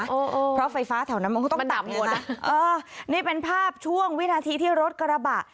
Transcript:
โอ้โหเพราะไฟฟ้าแถวนั้นมันก็ต้องต่ำหมดอ่ะเออนี่เป็นภาพช่วงวินาทีที่รถกระบะ